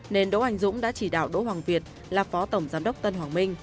nên đỗ anh dũng đã chỉ đạo đỗ hoàng việt là phó tổng giám đốc tân hoàng minh